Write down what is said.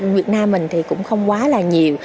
việt nam mình thì cũng không quá là nhiều